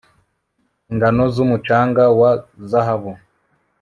ingano z'umucanga wa zahabu-